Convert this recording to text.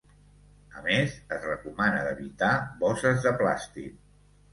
A més, es recomana d’evitar bosses de plàstic.